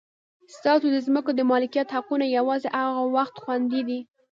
ستاسو د ځمکو د مالکیت حقونه یوازې هغه وخت خوندي دي.